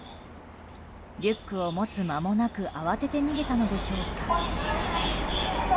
リュックを持つ間もなく慌てて逃げたのでしょうか。